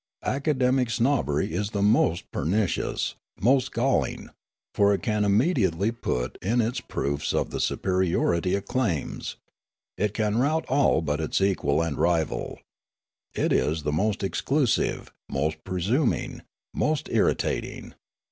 Academic snobbery is the most pernicious, most gall ing ; for it can immediately put in its proofs of the superiority it claims ; it can rout all but its equal and rival. It is the most exclusiv^e, most presuming, most irritating.